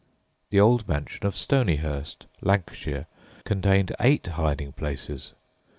The old mansion of Stonyhurst, Lancashire, contained eight hiding places.